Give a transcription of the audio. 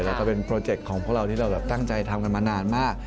แล้วก็เป็นโปรเจคของพวกเราที่เราตั้งใจทำกันมานานมาก